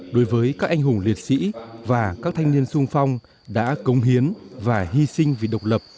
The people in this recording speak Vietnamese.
đối với các anh hùng liệt sĩ và các thanh niên sung phong đã cống hiến và hy sinh vì độc lập